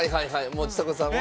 もうちさ子さんは。